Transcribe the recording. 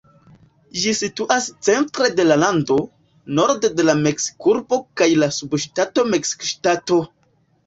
Ĝi situas centre de la lando, norde de Meksikurbo kaj la subŝtato Meksikŝtato.